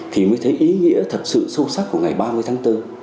thì mới thấy ý nghĩa thật sự sâu sắc của ngày ba mươi tháng bốn